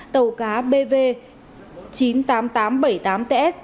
tàu cá bv chín mươi tám nghìn tám trăm bảy mươi tám ts